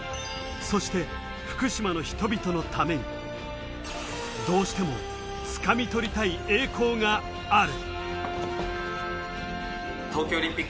そして福島の人々のために、どうしてもつかみ取りたい栄光がある。